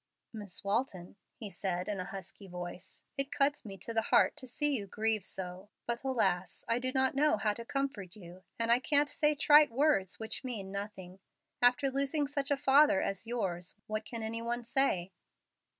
"Miss Walton," he said, in a husky voice, "it cuts me to the heart to see you grieve so. But, alas! I do not know how to comfort you, and I can't say trite words which mean nothing. After losing such a father as yours, what can any one say?"